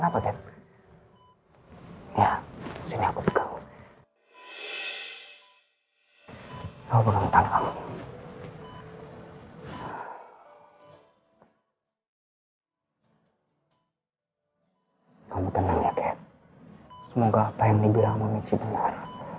hai kamu tenang ya kek semoga apa yang dibilang memicu benar